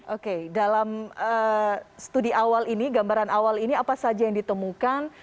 oke dalam studi awal ini gambaran awal ini apa saja yang ditemukan